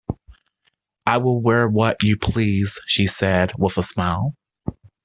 "I will wear what you please," she said, with a smile.